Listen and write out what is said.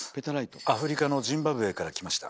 アフリカのジンバブエから来ました。